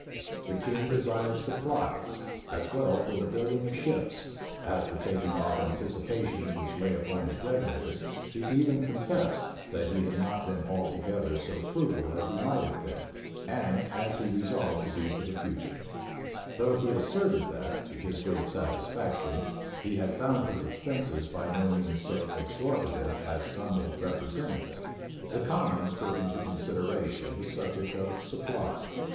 The king desired supplies, as well for the building of ships, as for taking off anticipations which lay upon his revenue, He even confessed, that he had not been altogether so frugal as he might have been, and as he resolved to be for the future; though he asserted that, to his great satisfaction, he had found his expenses by no means so exorbitant as some had represented them. The commons took into consideration the subject of supply.